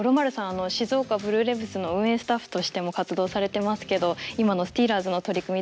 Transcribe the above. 静岡ブルーレヴズの運営スタッフとしても活動されてますけど今のスティーラーズの取り組み